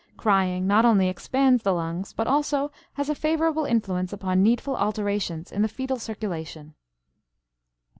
Crying not only expands the lungs, but also has a favorable influence upon needful alterations in the fetal circulation.